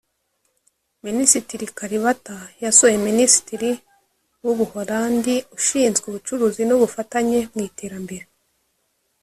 Minisitiri Kalibata yasuye Minisitiri w’u Buholandi ushinzwe ubucuruzi n’ubufatanye mu iterambere